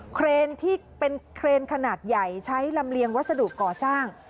เครนที่เป็นเครนขนาดใหญ่ใช้ลำเลียงวัสดุก่อสร้าง